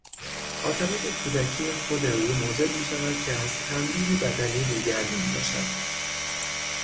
خاطرات کودکی خود او موجب میشود که از تنبیه بدنی روگردان باشد.